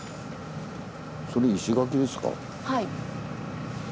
はい。